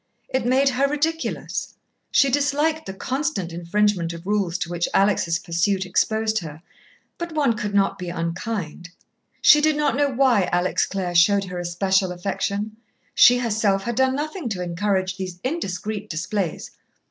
It made her ridiculous, she disliked the constant infringement of rules to which Alex' pursuit exposed her, but one could not be unkind. She did not know why Alex Clare showed her especial affection she herself had done nothing to encourage these indiscreet displays.